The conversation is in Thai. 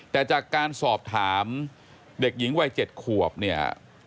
แต่จากการสอบถามเด็กหญิงวัย๗ขวบเนี่ย